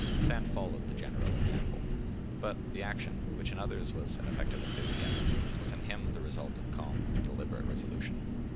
Sand followed the general example; but the action, which in others was an effect of enthusiasm, was in him the result of calm and deliberate resolution.